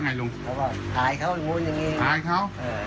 หายเขาอยู่ก่อนอย่างนี้